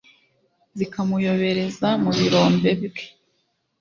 zikamuyobereza mu birombe bwe